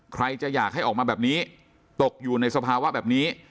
ใครจะอยากให้ออกมาแบบนี้ตกอยู่ในสภาวะแบบนี้